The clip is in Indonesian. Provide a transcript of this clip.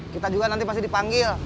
kita juga nanti masih dipanggil